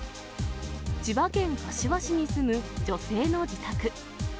千葉県柏市に住む女性の自宅。